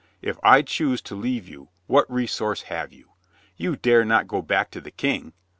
If I choose to leave you, what resource have you? You dare not go back to the King.